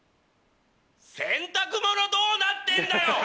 洗濯物どうなってんだよ